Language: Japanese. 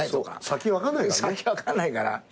先分かんないから。